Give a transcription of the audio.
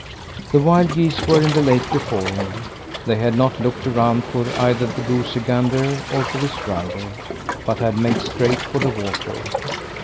The wild geese were in the lake before him. They had not looked around for either the goosey gander or for his rider, but had made straight for the water.